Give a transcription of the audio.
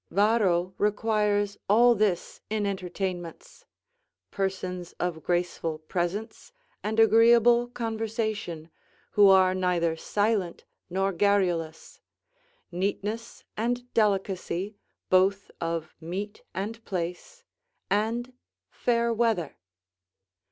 Varro requires all this in entertainments: "Persons of graceful presence and agreeable conversation, who are neither silent nor garrulous; neatness and delicacy, both of meat and place; and fair weather."